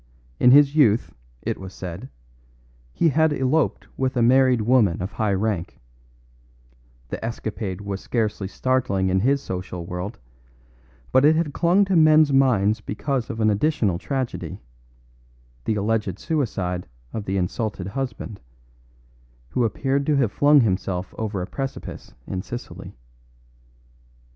In his youth, it was said, he had eloped with a married woman of high rank; the escapade was scarcely startling in his social world, but it had clung to men's minds because of an additional tragedy: the alleged suicide of the insulted husband, who appeared to have flung himself over a precipice in Sicily.